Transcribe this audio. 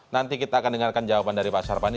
nanti kita akan dengarkan jawaban dari pak sarpandi